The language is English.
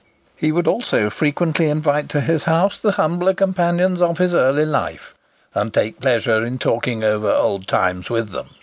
He would also frequently invite to his house the humbler companions of his early life, and take pleasure in talking over old times with them.